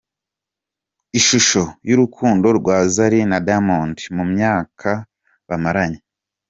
Ishusho y’urukundo rwa Zari na Diamond mu myaka bamaranye.